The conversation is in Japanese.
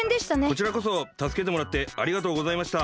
こちらこそたすけてもらってありがとうございました。